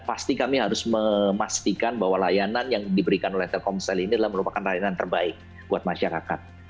pasti kami harus memastikan bahwa layanan yang diberikan oleh telkomsel ini adalah merupakan layanan terbaik buat masyarakat